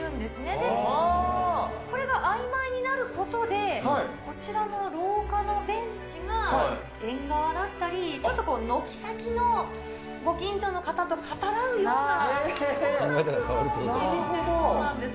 で、これがあいまいになることで、こちらの廊下のベンチが縁側だったり、ちょっとこう、軒先の、ご近所の方と語らうような、そんな空間をイメージしてるそうなんです。